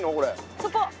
そこ！